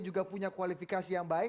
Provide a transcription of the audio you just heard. juga punya kualifikasi yang baik